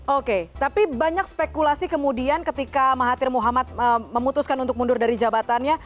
oke tapi banyak spekulasi kemudian ketika mahathir muhammad memutuskan untuk mundur dari jabatannya